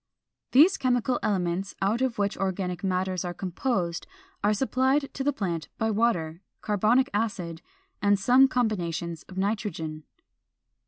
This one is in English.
449. These chemical elements out of which organic matters are composed are supplied to the plant by water, carbonic acid, and some combinations of nitrogen.